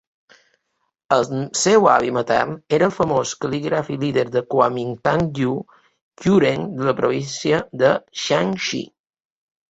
El seu avi matern era el famós cal·lígraf i líder de Kuomingtang Yu You-ren de la província de Shaanxi.